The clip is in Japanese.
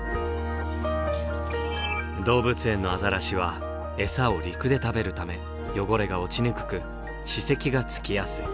動物園のアザラシはエサを陸で食べるため汚れが落ちにくく歯石がつきやすい。